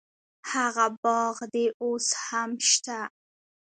هغه باغ دې اوس هم شته.